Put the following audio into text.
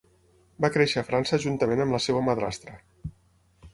Va créixer a França juntament amb la seva madrastra.